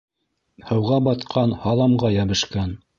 Һыуға батҡан һаламға йәбешкән.